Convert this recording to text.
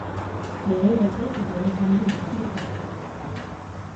Les révoltés s’étaient répandus dans tous les quartiers.